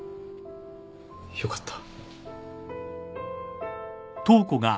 よかった。